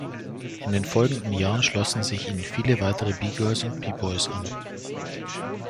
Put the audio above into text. In den folgenden Jahren schlossen sich ihnen viele weitere B-Girls und B-Boys an.